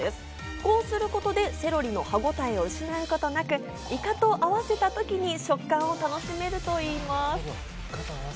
こうすることでセロリの歯ごたえを失うことなく、イカと合わせた時に食感も楽しめるといいます。